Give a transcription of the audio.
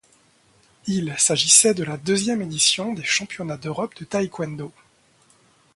Il s'agissait de la deuxième édition des championnats d'Europe de taekwondo.